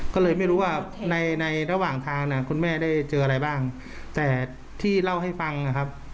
ก็เลยไม่รู้ว่าในในระหว่างทางคุณแม่ได้เจออะไรบ้างแต่ที่เล่าให้ฟังนะครับ